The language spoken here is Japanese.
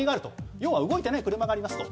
要は動いていない車がありますと。